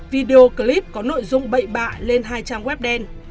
video clip có nội dung bậy bạ lên hai trang web đen